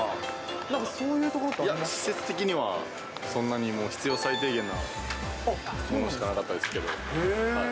なんかそういうところってありまいや、施設的にはそんなにもう、必要最低限な物しかなかったですけど。